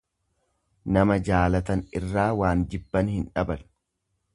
Nama jaalatan irraa waan jibban hin dhaban.